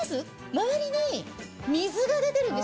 周りに水が出てるんですよ。